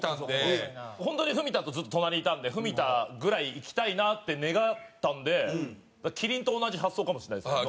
本当に文田とずっと隣いたんで文田ぐらいいきたいなって願ったんでキリンと同じ発想かもしれないですけど。